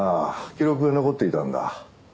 記録が残っていたんだ。